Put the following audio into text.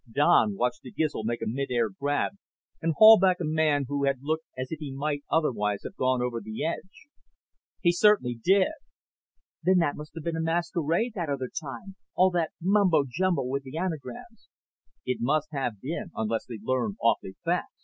Don watched the Gizl make a mid air grab and haul back a man who had looked as if he might otherwise have gone over the edge. "He certainly did." "Then that must have been a masquerade, that other time all that mumbo jumbo with the Anagrams." "It must have been, unless they learn awfully fast."